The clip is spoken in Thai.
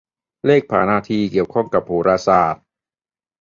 เลขผานาทีเกี่ยวข้องกับโหราศาสตร์